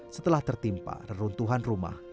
setelah tertimpa reruntuhan rumah